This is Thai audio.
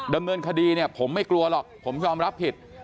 ดำเนินคดีเนี่ยผมไม่กลัวหรอกผมยอมรับผิด